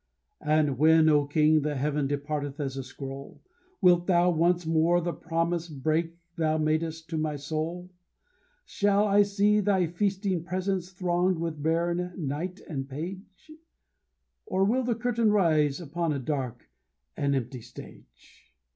And when, O King, the heaven departeth as a scroll, Wilt thou once more the promise break thou madest to my soul? Shall I see thy feasting presence thronged with baron, knight, and page? Or will the curtain rise upon a dark and empty stage?